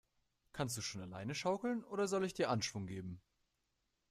Kannst du schon alleine schaukeln, oder soll ich dir Anschwung geben?